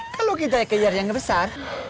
kalau kita kejar yang besar